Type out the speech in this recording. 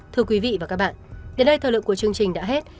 thưa quý vị và các bạn đến đây thời lượng của chương trình đã hết